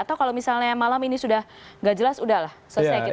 atau kalau misalnya malam ini sudah nggak jelas sudah lah selesai kita putuskan